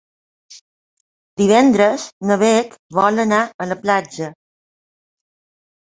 Divendres na Beth vol anar a la platja.